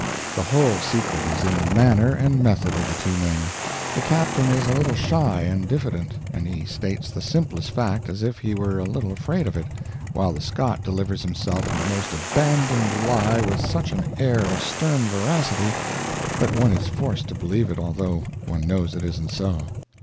The whole secret is in the manner and method of the two men. The captain is a little shy and diffident, and he states the simplest fact as if he were a little afraid of it, while the Scot delivers himself of the most abandoned lie with such an air of stern veracity that one is forced to believe it although one knows it isn't so.